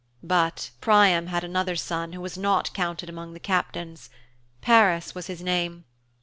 But Priam had another son who was not counted amongst the Captains. Paris was his name.